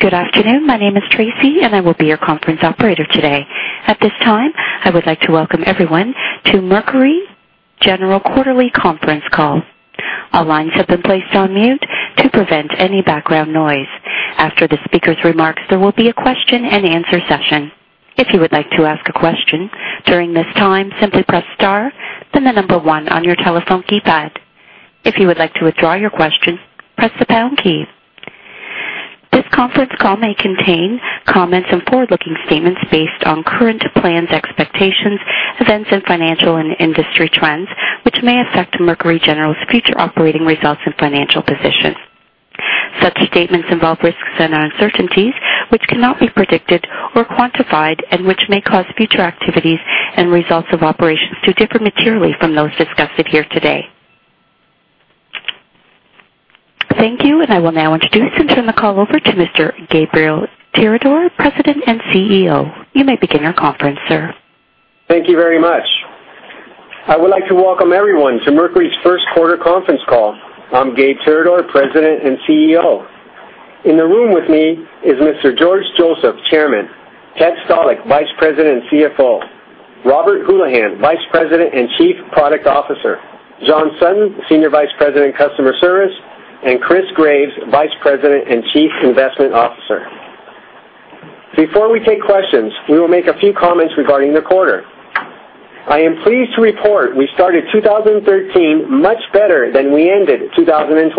Good afternoon. My name is Tracy, and I will be your conference operator today. At this time, I would like to welcome everyone to Mercury General quarterly conference call. All lines have been placed on mute to prevent any background noise. After the speaker's remarks, there will be a question and answer session. If you would like to ask a question during this time, simply press star, then the number 1 on your telephone keypad. If you would like to withdraw your question, press the pound key. This conference call may contain comments and forward-looking statements based on current plans, expectations, events, and financial and industry trends, which may affect Mercury General's future operating results and financial positions. Such statements involve risks and uncertainties which cannot be predicted or quantified and which may cause future activities and results of operations to differ materially from those discussed here today. Thank you. I will now introduce and turn the call over to Mr. Gabriel Tirador, President and CEO. You may begin your conference, sir. Thank you very much. I would like to welcome everyone to Mercury's first quarter conference call. I'm Gabe Tirador, President and CEO. In the room with me is Mr. George Joseph, Chairman. Ted Stalick, Vice President and CFO. Robert Houlihan, Vice President and Chief Product Officer. John Sutton, Senior Vice President, Customer Service. Chris Graves, Vice President and Chief Investment Officer. Before we take questions, we will make a few comments regarding the quarter. I am pleased to report we started 2013 much better than we ended 2012.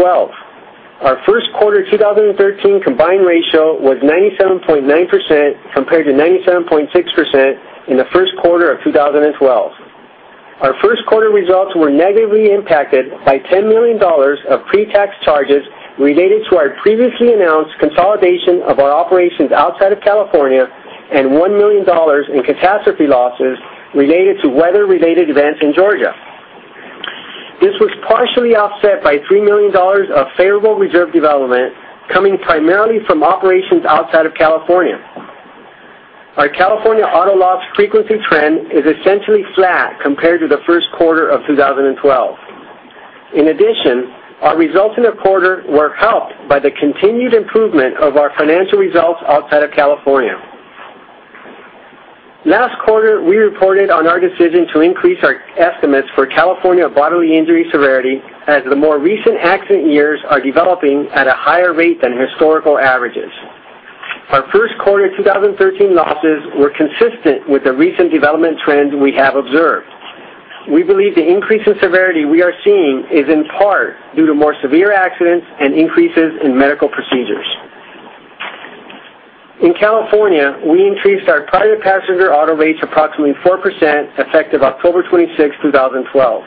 Our first quarter 2013 combined ratio was 97.9% compared to 97.6% in the first quarter of 2012. Our first quarter results were negatively impacted by $10 million of pre-tax charges related to our previously announced consolidation of our operations outside of California and $1 million in catastrophe losses related to weather-related events in Georgia. This was partially offset by $3 million of favorable reserve development coming primarily from operations outside of California. Our California auto loss frequency trend is essentially flat compared to the first quarter of 2012. In addition, our results in the quarter were helped by the continued improvement of our financial results outside of California. Last quarter, we reported on our decision to increase our estimates for California bodily injury severity as the more recent accident years are developing at a higher rate than historical averages. Our first quarter 2013 losses were consistent with the recent development trends we have observed. We believe the increase in severity we are seeing is in part due to more severe accidents and increases in medical procedures. In California, we increased our private passenger auto rates approximately 4% effective October 26, 2012.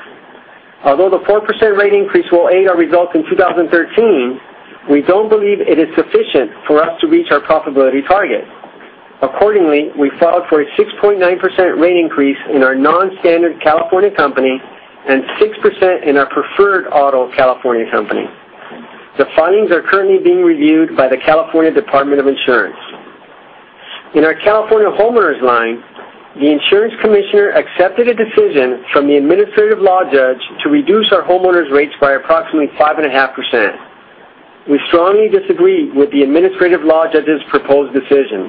Although the 4% rate increase will aid our results in 2013, we don't believe it is sufficient for us to reach our profitability target. Accordingly, we filed for a 6.9% rate increase in our non-standard California company and 6% in our preferred auto California company. The filings are currently being reviewed by the California Department of Insurance. In our California homeowners line, the insurance commissioner accepted a decision from the administrative law judge to reduce our homeowners rates by approximately 5.5%. We strongly disagree with the administrative law judge's proposed decision.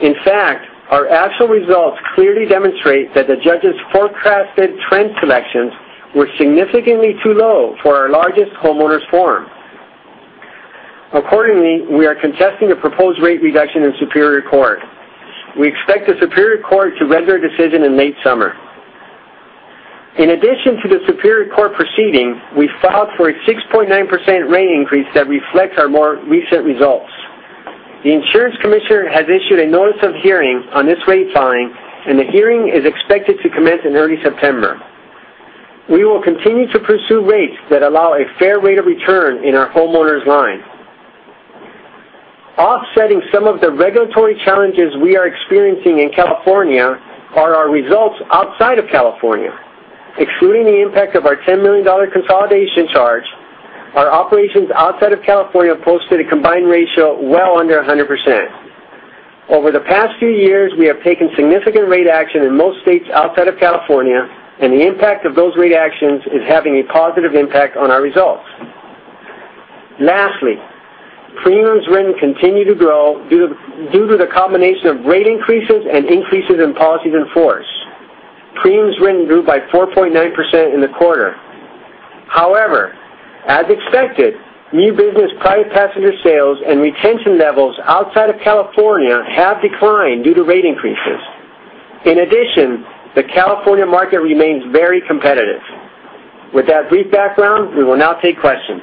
In fact, our actual results clearly demonstrate that the judge's forecasted trend selections were significantly too low for our largest homeowners form. Accordingly, we are contesting a proposed rate reduction in Superior Court. We expect the Superior Court to render a decision in late summer. In addition to the Superior Court proceeding, we filed for a 6.9% rate increase that reflects our more recent results. The insurance commissioner has issued a notice of hearing on this rate filing, and the hearing is expected to commence in early September. We will continue to pursue rates that allow a fair rate of return in our homeowners line. Offsetting some of the regulatory challenges we are experiencing in California are our results outside of California. Excluding the impact of our $10 million consolidation charge, our operations outside of California posted a combined ratio well under 100%. Over the past few years, we have taken significant rate action in most states outside of California, and the impact of those rate actions is having a positive impact on our results. Lastly, premiums written continue to grow due to the combination of rate increases and increases in policies in force. Premiums written grew by 4.9% in the quarter. However, as expected, new business private passenger sales and retention levels outside of California have declined due to rate increases. In addition, the California market remains very competitive. With that brief background, we will now take questions.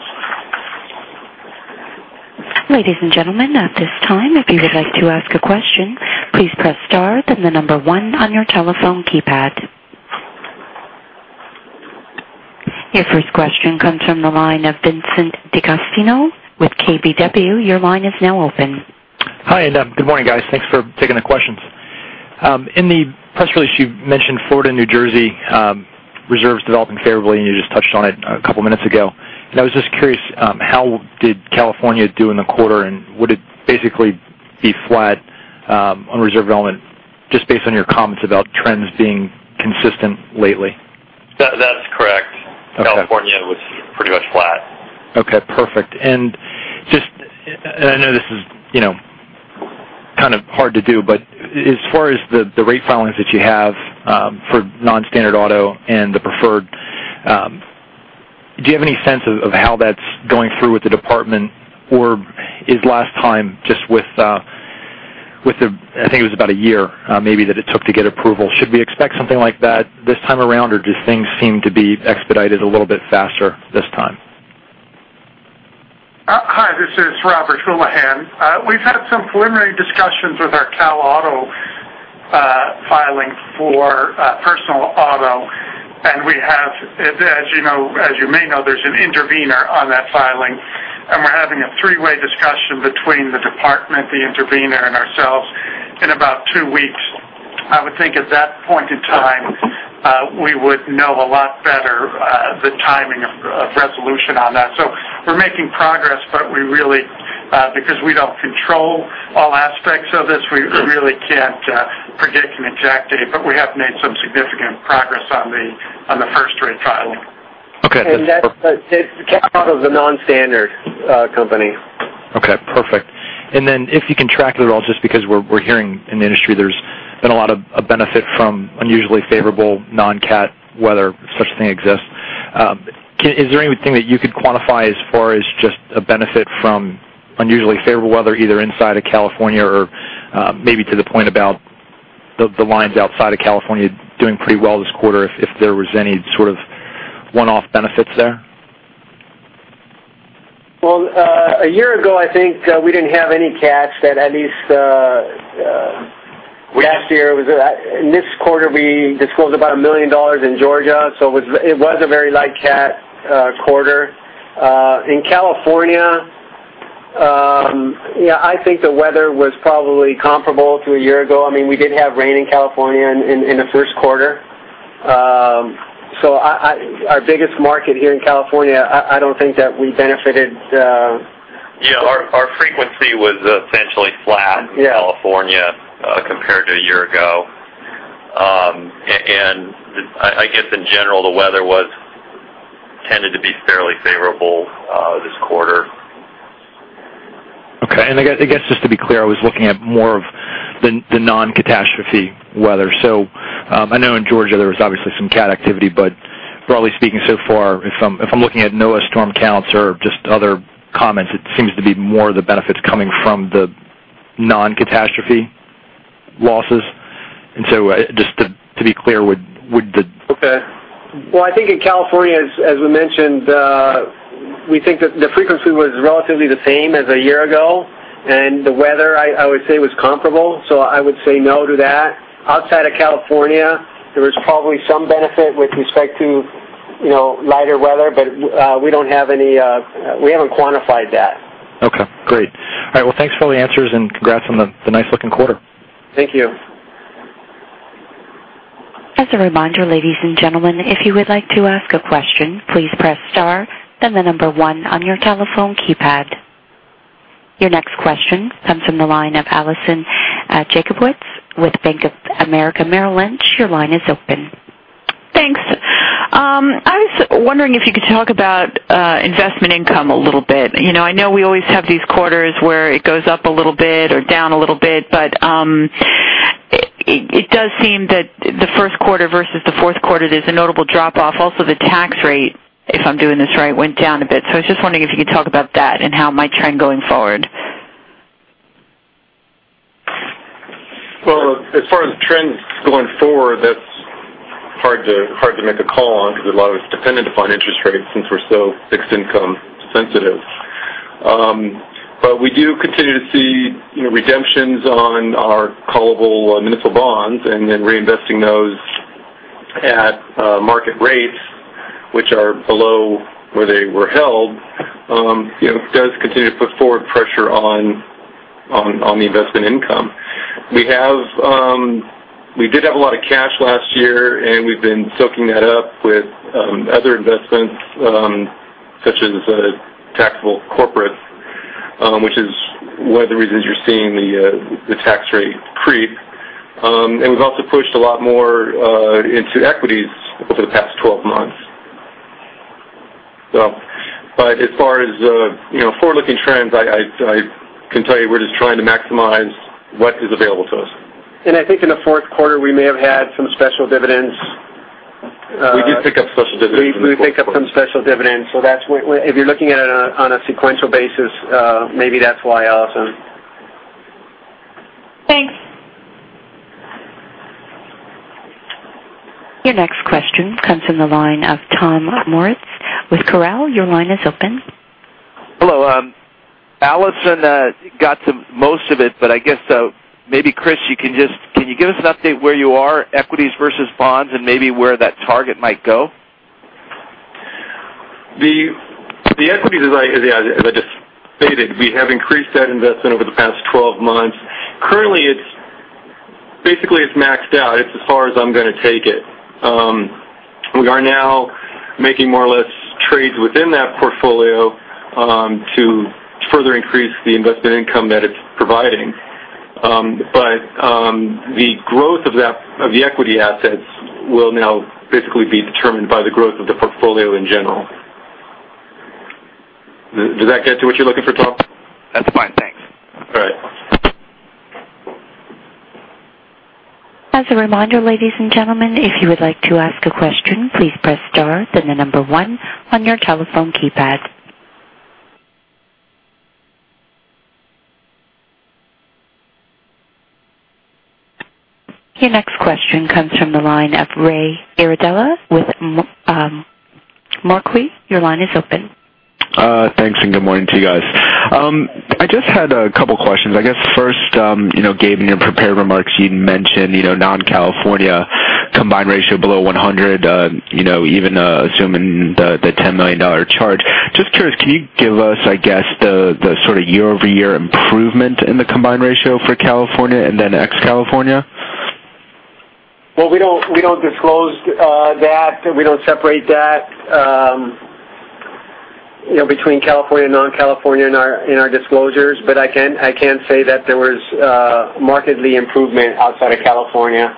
Ladies and gentlemen, at this time, if you would like to ask a question, please press star, then the number one on your telephone keypad. Your first question comes from the line of Vincent D'Agostino with KBW. Your line is now open. Hi, and good morning, guys. Thanks for taking the questions. In the press release, you mentioned Florida and New Jersey reserves developing favorably, and you just touched on it a couple of minutes ago. I was just curious, how did California do in the quarter, and would it basically be flat on reserve development just based on your comments about trends being consistent lately? That's California was pretty much flat. Okay, perfect. I know this is kind of hard to do, but as far as the rate filings that you have for non-standard auto and the preferred, do you have any sense of how that's going through with the department? Is last time just with the, I think it was about one year, maybe, that it took to get approval. Should we expect something like that this time around or do things seem to be expedited a little bit faster this time? Hi, this is Robert Houlihan. We've had some preliminary discussions with our Cal Auto filing for personal auto, and as you may know, there's an intervener on that filing. We're having a three-way discussion between the department, the intervener, and ourselves in about two weeks. I would think at that point in time, we would know a lot better the timing of resolution on that. We're making progress, but because we don't control all aspects of this, we really can't predict an exact date. We have made some significant progress on the first rate filing. Okay. That's the Cal Auto, the non-standard company. Okay, perfect. Then if you can track it at all, just because we're hearing in the industry there's been a lot of benefit from unusually favorable non-cat weather, such thing exists. Is there anything that you could quantify as far as just a benefit from unusually favorable weather, either inside of California or maybe to the point about the lines outside of California doing pretty well this quarter, if there was any sort of one-off benefits there? Well, a year ago, I think, we didn't have any cats. In this quarter, this was about $1 million in Georgia, so it was a very light cat quarter. In California, I think the weather was probably comparable to a year ago. We did have rain in California in the first quarter. Our biggest market here in California, I don't think that we benefited. Our frequency was essentially flat. Yeah in California compared to a year ago. I guess in general, the weather tended to be fairly favorable this quarter. Okay. I guess, just to be clear, I was looking at more of the non-catastrophe weather. I know in Georgia there was obviously some cat activity, but broadly speaking so far, if I'm looking at NOAA storm counts or just other comments, it seems to be more of the benefits coming from the non-catastrophe losses. Just to be clear, would the- Okay. Well, I think in California, as we mentioned, we think that the frequency was relatively the same as a year ago. The weather, I would say was comparable. I would say no to that. Outside of California, there was probably some benefit with respect to lighter weather, we haven't quantified that. Okay, great. All right, well, thanks for all the answers and congrats on the nice-looking quarter. Thank you. As a reminder, ladies and gentlemen, if you would like to ask a question, please press star, then the number one on your telephone keypad. Your next question comes from the line of Allison Jacobowitz with Bank of America Merrill Lynch. Your line is open. Thanks. I was wondering if you could talk about investment income a little bit. I know we always have these quarters where it goes up a little bit or down a little bit, but it does seem that the first quarter versus the fourth quarter, there's a notable drop-off. Also, the tax rate, if I'm doing this right, went down a bit. I was just wondering if you could talk about that and how it might trend going forward. Well, as far as trends going forward, that's hard to make a call on because a lot of it's dependent upon interest rates since we're so fixed income sensitive. We do continue to see redemptions on our callable municipal bonds and then reinvesting those at market rates, which are below where they were held. It does continue to put forward pressure on the investment income. We did have a lot of cash last year, and we've been soaking that up with other investments, such as taxable corporate, which is one of the reasons you're seeing the tax rate creep. We've also pushed a lot more into equities over the past 12 months. As far as forward-looking trends, I can tell you we're just trying to maximize what is available to us. I think in the fourth quarter, we may have had some special dividends. We did pick up special dividends in the fourth quarter. We did pick up some special dividends. If you're looking at it on a sequential basis, maybe that's why, Allison. Thanks. Your next question comes from the line of Tom Moritz with Corral. Your line is open. Hello. Allison got to most of it. I guess, maybe Chris, can you give us an update where you are, equities versus bonds, and maybe where that target might go? The equities, as I just stated, we have increased that investment over the past 12 months. Currently, basically it's maxed out. It's as far as I'm going to take it. We are now making more or less trades within that portfolio to further increase the investment income that it's providing. The growth of the equity assets will now basically be determined by the growth of the portfolio in general. Does that get to what you're looking for, Tom? That's fine, thanks. All right. As a reminder, ladies and gentlemen, if you would like to ask a question, please press star then the number one on your telephone keypad. Your next question comes from the line of Ray Iardella with Macquarie. Your line is open. Thanks. Good morning to you guys. I just had a couple questions. I guess first, Gabe, in your prepared remarks, you mentioned non-California combined ratio below 100, even assuming the $10 million charge. Just curious, can you give us, I guess, the sort of year-over-year improvement in the combined ratio for California and then ex-California? We don't disclose that. We don't separate that between California and non-California in our disclosures. I can say that there was marked improvement outside of California,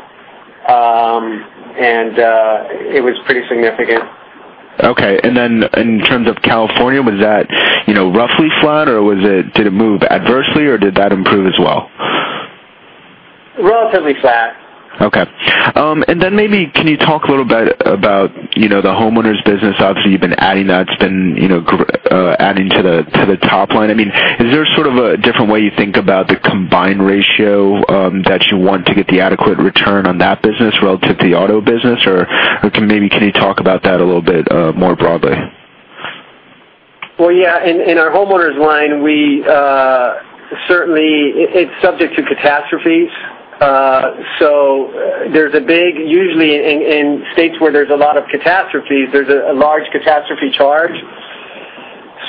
and it was pretty significant. Okay. In terms of California, was that roughly flat or did it move adversely, or did that improve as well? Relatively flat. Okay. Maybe, can you talk a little bit about the homeowners business? Obviously, you've been adding to the top line. Is there sort of a different way you think about the combined ratio that you want to get the adequate return on that business relative to the auto business, or maybe can you talk about that a little bit more broadly? Well, yeah, in our homeowners line, certainly it's subject to catastrophes. There's a big, usually in states where there's a lot of catastrophes, there's a large catastrophe charge.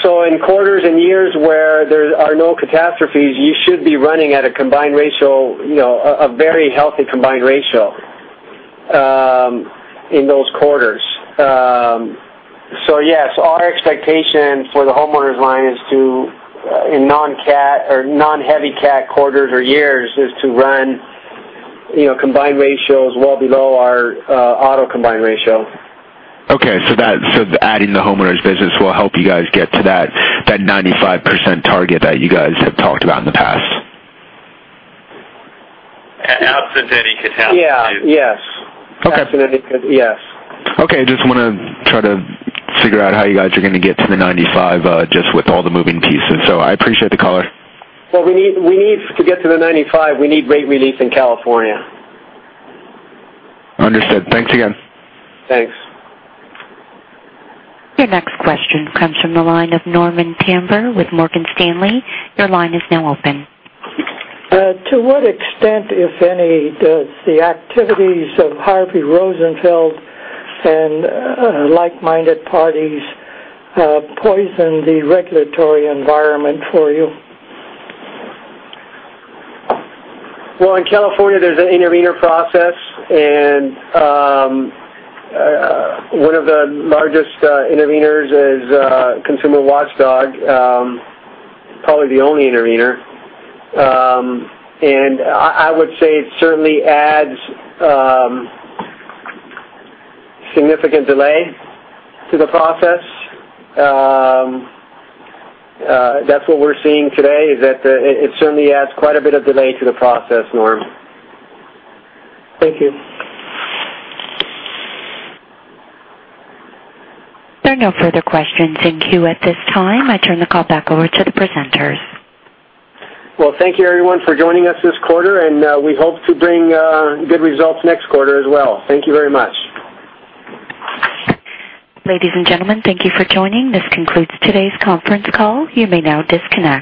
In quarters and years where there are no catastrophes, you should be running at a very healthy combined ratio in those quarters. Yes, our expectation for the homeowners line is to, in non-heavy cat quarters or years, is to run combined ratios well below our auto combined ratio. Okay, adding the homeowners business will help you guys get to that 95% target that you guys have talked about in the past. Absent any catastrophe. Yeah. Yes. Absent any, yes. Okay. I just want to try to figure out how you guys are going to get to the 95 just with all the moving pieces. I appreciate the color. Well to get to the 95 we need rate relief in California. Understood. Thanks again. Thanks. Your next question comes from the line of Norman Turner with Morgan Stanley. Your line is now open. To what extent, if any, does the activities of Harvey Rosenfield and like-minded parties poison the regulatory environment for you? Well, in California, there's an intervener process, and one of the largest interveners is Consumer Watchdog, probably the only intervener. I would say it certainly adds significant delay to the process. That's what we're seeing today, is that it certainly adds quite a bit of delay to the process, Norm. Thank you. There are no further questions in queue at this time. I turn the call back over to the presenters. Well, thank you, everyone, for joining us this quarter, and we hope to bring good results next quarter as well. Thank you very much. Ladies and gentlemen, thank you for joining. This concludes today's conference call. You may now disconnect.